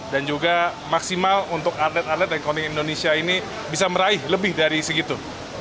dan juga maksimal untuk atlet atlet dan koning indonesia ini bisa meraih lebih dari segitu